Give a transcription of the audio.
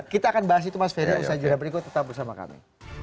kita akan bahas itu mas ferry usaha jadwal berikut tetap bersama kami